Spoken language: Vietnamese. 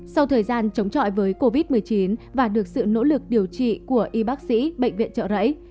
sau thời gian chống chọi với covid một mươi chín và được sự nỗ lực điều trị của y bác sĩ bệnh viện trợ rẫy